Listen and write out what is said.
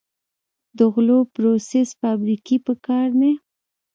د غلو پروسس فابریکې پکار دي.